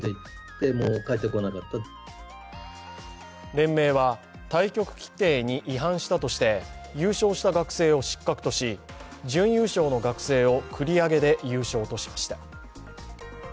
連盟は、対局規定に違反したとして優勝した学生を失格とし準優勝の学生を繰り上げで優勝としました。